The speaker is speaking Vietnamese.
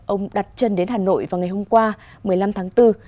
ông đặt chân đến hà nội vào ngày hôm qua một mươi năm tháng bốn